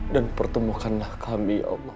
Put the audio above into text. dan pertemukanlah kami ya allah